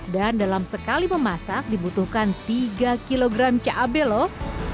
dan dalam sekali memasak dibutuhkan tiga kg cabai loh